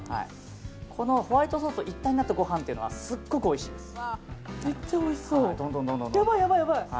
このホワイトソースと一体になったご飯というのはめっちゃおいしそう。